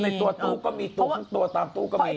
ในตัวก็มีตัวตามตัวก็มี